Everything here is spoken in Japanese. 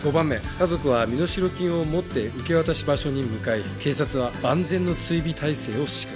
家族は身代金を持って受け渡し場所に向かい警察は万全の追尾態勢を敷く。